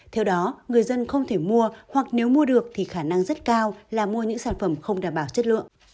theo đó người dân không thể mua hoặc nếu mua được thì khả năng rất cao là mua những sản phẩm không đảm bảo chất lượng